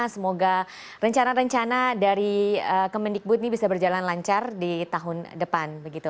semoga rencana rencana dari kemendikbud ini bisa berjalan lancar di tahun depan